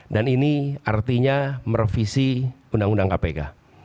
dan ini artinya merevisi uu kpk